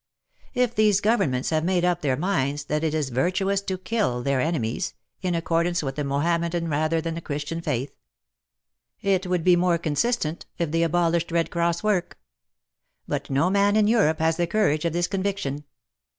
If these governments have made up their minds that it is virtuous to kill their enemies — In accordance with the Mohammedan rather than the Christian faith — It would be more con xvi PROEM sistent if they abolished Red Cross work. But no man in Europe has the courage of this con viction.